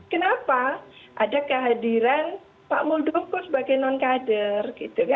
kenapa ada kehadiran pak muldoko sebagai non kader